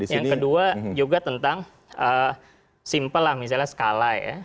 yang kedua juga tentang simple lah misalnya skala ya